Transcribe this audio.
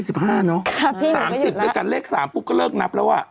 ครับพี่หนูก็หยุดแล้วสามสิบด้วยกันเลข๓ปุ๊บก็เลิกนับแล้วอ่ะ